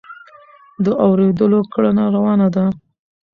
د اورېدلو کړنه روانه ده.